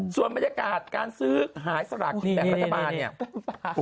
ส่วนบรรยากาศการซื้อหายสระขึ้นตั้งแนวปลา